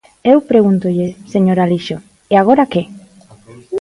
Eu pregúntolle, señor Alixo: ¿e agora que?